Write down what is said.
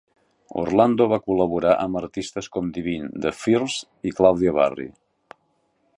Orlando va col·laborar amb artistes com Divine, The Flirts i Claudja Barry.